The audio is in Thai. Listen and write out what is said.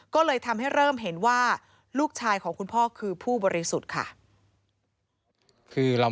ก็เลยทำให้เริ่มเห็นว่าลูกชายของคุณพ่อคือผู้บริสุทธิ์ค่ะ